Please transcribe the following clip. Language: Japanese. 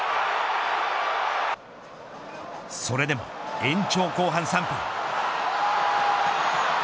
それでも延長後半３分。